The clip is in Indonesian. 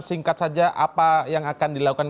singkat saja apa yang akan dilakukan